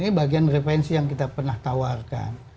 ini bagian referensi yang kita pernah tawarkan